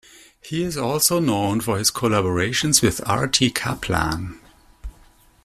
He is also known for his collaborations with Artie Kaplan.